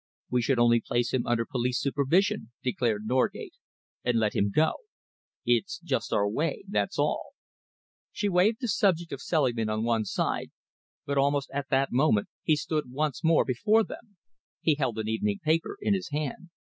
"We should only place him under police supervision," declared Norgate, "and let him go. It's just our way, that's all." She waved the subject of Selingman on one side, but almost at that moment he stood once more before them. He held an evening paper in his hand.